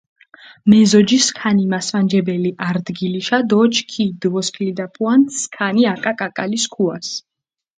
მეზოჯი სქანი მასვანჯებელი არდგილიშა დო ჩქი დჷვოსქილიდაფუანთ სქანი აკა კაკალი სქუას.